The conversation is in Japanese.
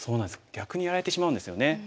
逆にやられてしまうんですよね。